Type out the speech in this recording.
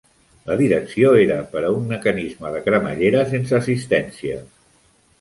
La direcció era per un mecanisme de cremallera sense assistència.